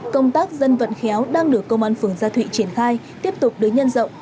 công tác dân vận khéo đang được công an phường gia thụy triển khai tiếp tục được nhân rộng